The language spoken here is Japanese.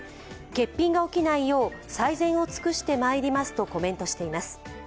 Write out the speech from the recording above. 欠品が起きないよう最善を尽くしてまいりますとコメントしています。